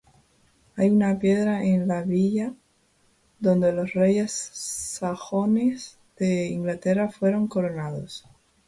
Hay una piedra en la villa donde los reyes sajones de Inglaterra fueron coronados.